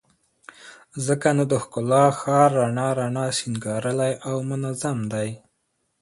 ځکه نو د ښکلا ښار رڼا رڼا، سينګارلى او منظم دى